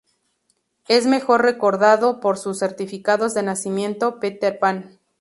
Es mejor recordado por sus certificados de nacimiento 'Peter Pan'.